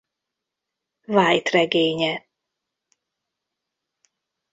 White regénye.